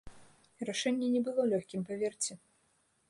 Рашэнне не было лёгкім, паверце.